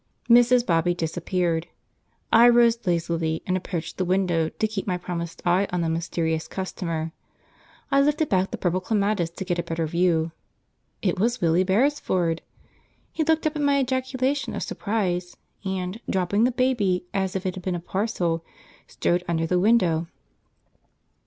Mrs. Bobby disappeared. I rose lazily, and approached the window to keep my promised eye on the mysterious customer. I lifted back the purple clematis to get a better view. It was Willie Beresford! He looked up at my ejaculation of surprise, and, dropping the baby as if it had been a parcel, strode under the window.